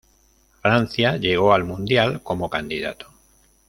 Francia llegó al Mundial como candidato.